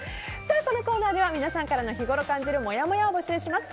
このコーナーでは皆さんが日ごろ感じるもやもやを募集します。